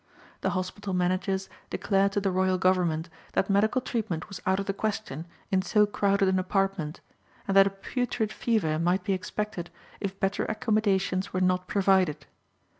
The hospital managers declared to the royal government that medical treatment was out of the question in so crowded an apartment, and that a putrid fever might be expected if better accommodations were not provided.